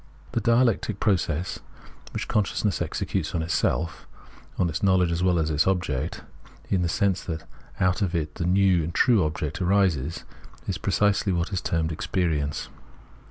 This dialectic process which consciousness executes on itself — on its knowledge as well as on its object — in the sense that out of it the new and true object arises, is precisely what is termed Experience.